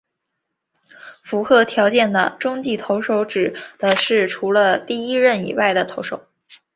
符合条件的中继投手指的是除了第一任以外的投手。